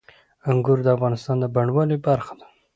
انګور د افغانستان د بڼوالۍ برخه ده.